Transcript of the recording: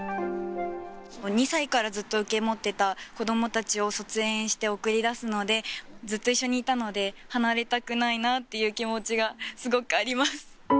２歳からずっと受け持ってた子どもたちを卒園して送り出すので、ずっと一緒にいたので、離れたくないなっていう気持ちがすごくあります。